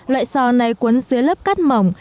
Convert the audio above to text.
loại xò này cuốn dưới lớp cắt mỏng